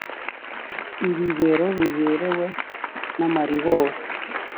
Ibibero biberewe namaribori